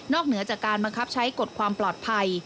เหนือจากการบังคับใช้กฎความปลอดภัย